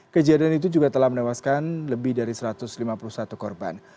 kejadian itu juga telah menewaskan lebih dari satu ratus lima puluh satu korban